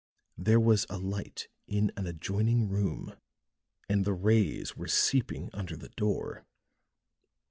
There was a light in an adjoining room, and the rays were seeping under the door.